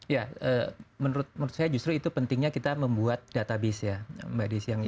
ya menurut saya justru itu pentingnya kita membuat database ya mbak desi